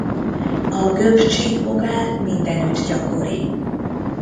A gömb-csíkbogár mindenütt gyakori.